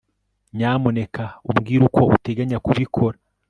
Nyamuneka umbwire uko uteganya kubikora